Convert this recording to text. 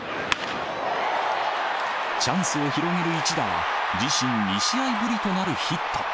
チャンスを広げる一打は、自身２試合ぶりとなるヒット。